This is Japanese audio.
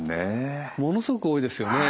ものすごく多いですよね。